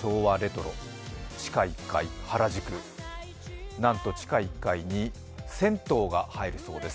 昭和レトロ、地下１階、原宿、なんと地下１階に銭湯が入るそうです。